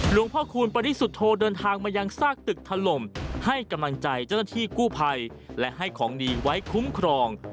ผู้คูณปริสุทธโธเดินทางมายังซากตึกถล่มให้กำลังใจเจ้าหน้าที่กู้ภัยและให้ของดีไว้คุ้มครอง